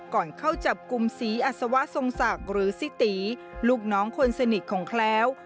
ก่อนเข้าจับกลุ่มศรีอัศวะทรงศักดิ์หรือซิตีลูกน้องคนสนิทของแคล้ว